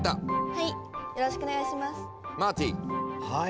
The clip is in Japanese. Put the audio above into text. はい。